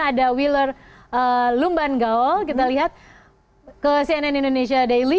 ada wheeler lumbangol kita lihat ke cnn indonesia daily